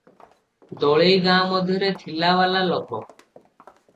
ଦଳେଇ ଗାଁ ମଧ୍ୟରେ ଥିଲାବାଲା ଲୋକ ।